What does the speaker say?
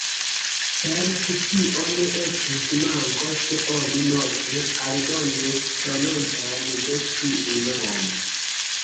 Certe, tio ne estus manko, se oni note aldonus prononcon de ĉiu nomo.